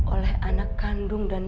oleh anak kandung dan